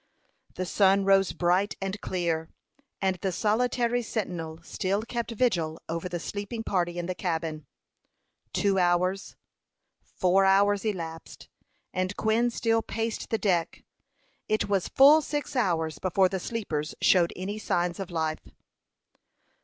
The sun rose bright and clear, and the solitary sentinel still kept vigil over the sleeping party in the cabin. Two hours, four hours, elapsed, and Quin still paced the deck. It was full six hours before the sleepers showed any signs of life.